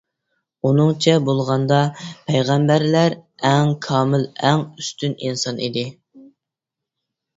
ئۇنىڭچە بولغاندا پەيغەمبەرلەر ئەڭ كامىل، ئەڭ ئۈستۈن ئىنسان ئىدى.